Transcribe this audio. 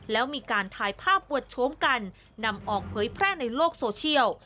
แล้วมีการถ่ายภาพปวดโฉมกันนำออกเผยแพร่ในโลกโซเชียล